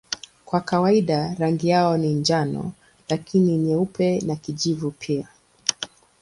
Kwa kawaida rangi yao ni njano lakini nyeupe na kijivu pia.